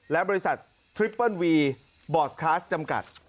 และบริษัททริปเปิ้ลวีบอสคลาสจำกัด